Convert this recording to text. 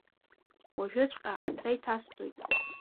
Уажәыҵәҟьа аҭра иҭасҵоит.